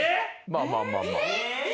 まあまあまあまあ。